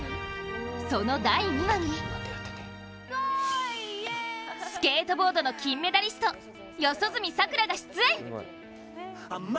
その第２話にスケートボードの金メダリスト四十住さくらが出演。